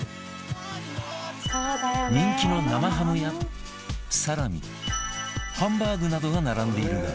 人気の生ハムやサラミハンバーグなどが並んでいるが